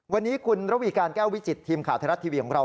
วันนี้คุณระวีการแก้ววิจิตทีมข่าวไทยรัฐทีวีของเรา